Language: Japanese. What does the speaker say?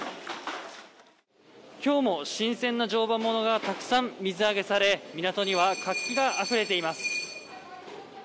今日も新鮮な常磐ものがたくさん水揚げされ港には活気があふれています。